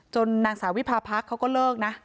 นางสาววิพาพรรคเขาก็เลิกนะ